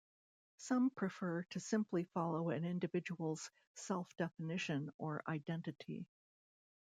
Some prefer to simply follow an individual's self-definition or identity.